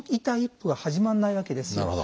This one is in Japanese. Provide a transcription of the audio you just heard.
第一歩が始まらないわけですよ。